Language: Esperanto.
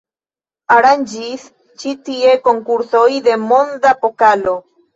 Aranĝis ĉi tie konkursoj de monda pokalo.